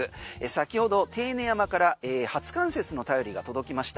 先ほど手稲山から初冠雪の便りが届きました。